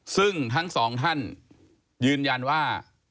ซึ่งทั้งสองท่านยืนยันว่า